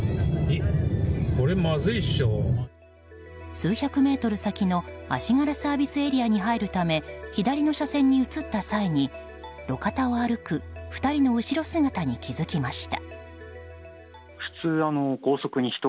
数百メートル先の足柄ＳＡに入るため左の車線に移った際に路肩を歩く２人の後ろ姿に気付きました。